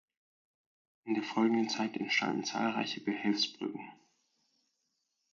In der folgenden Zeit entstanden zahlreiche Behelfsbrücken.